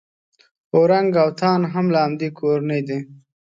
اورنګ اوتان هم له همدې کورنۍ دي.